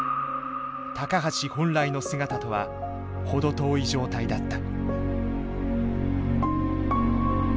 橋本来の姿とは程遠い状態だった。